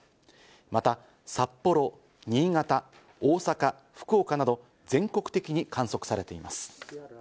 また、札幌、新潟、大阪、福岡など全国的に観測されています。